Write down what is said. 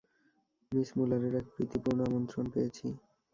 Miss মূলারের এক প্রীতিপূর্ণ আমন্ত্রণ পেয়েছি।